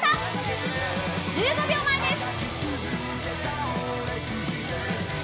１５秒前です。